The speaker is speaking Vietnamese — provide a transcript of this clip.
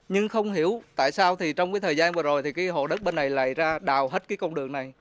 nhưng không hiểu tại sao thì trong cái thời gian vừa rồi thì cái hộ đất bên này lại ra đào hết cái con đường này